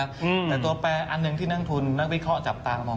แต่ตัวแปลอันหนึ่งที่นักทุนนักวิเคราะห์จับตามอง